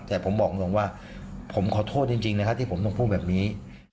แต่ผมบอกตรงว่าผมขอโทษจริงนะครับที่ผมต้องพูดแบบนี้